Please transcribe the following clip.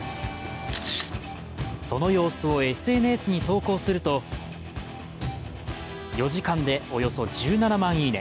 その様子をＳＮＳに投稿すると４時間でおよそ１７万いいね。